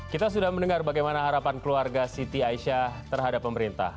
kita sudah mendengar bagaimana harapan keluarga siti aisyah terhadap pemerintah